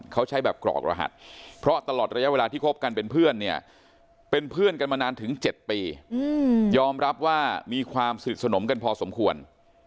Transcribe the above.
เขาใช้แบบกรกรหัสเพราะตลอดระยะเวลาที่คบกันเป็นเพื่อนเนี่ยเป็นเพื่อนกันมานานถึง๗ปียอมรับว่ามีความสนิทสนมกันพอสมควร